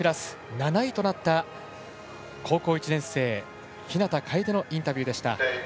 ７位となった高校１年生日向楓のインタビューでした。